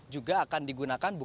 juga akan digunakan